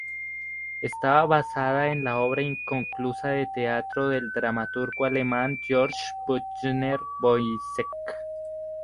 Está basada en la obra inconclusa de teatro del dramaturgo alemán Georg Büchner, "Woyzeck".